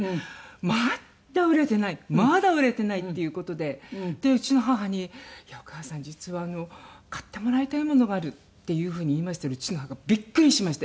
まだ売れてないまだ売れてないっていう事でうちの母に「お母さん実は買ってもらいたいものがある」っていう風に言いましたらうちの母がビックリしまして。